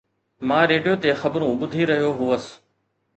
مان ريڊيو تي خبرون ٻڌي رهيو هوس